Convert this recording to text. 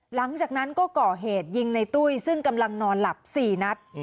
หลังจากนั้นก็ก่อเหตุยิงในตุ้ยซึ่งกำลังนอนหลับ๔นัด